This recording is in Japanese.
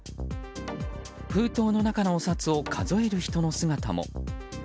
封筒の中のお札を数える人の姿も。